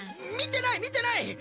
見てない見てない！